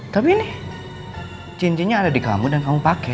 tapi ini cincinnya ada di kamu dan kamu pakai